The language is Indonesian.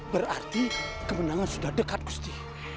berarti kemenangan sudah dekat gusti